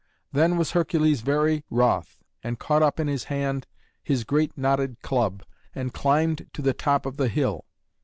Then was Hercules very wroth, and caught up in his hand his great knotted club, and climbed to the top of the hill.